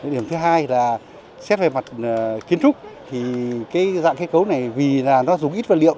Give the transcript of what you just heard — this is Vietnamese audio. điểm thứ hai là xét về mặt kiến trúc thì cái dạng kết cấu này vì là nó dùng ít vật liệu